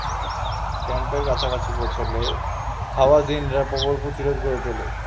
ক্যাম্পের কাছা-কাছি পৌঁছলে হাওয়াযিনরা প্রবল প্রতিরোধ গড়ে তোলে।